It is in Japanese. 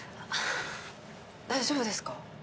大丈夫ですか？